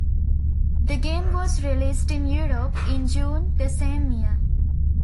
The game was released in Europe in June the same year.